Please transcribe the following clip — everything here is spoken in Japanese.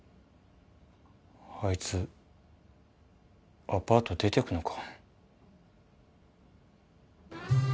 あいつアパート出て行くのか。